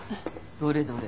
どれどれ？